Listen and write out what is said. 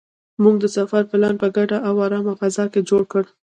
موږ د سفر پلان په ګډه او ارامه فضا کې جوړ کړ.